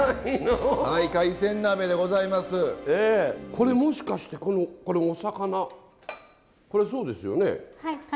これもしかしてこのお魚これそうですよね？